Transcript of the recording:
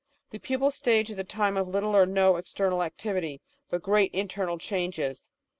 The pupal stage is a time of little or no external activity but great internal changes.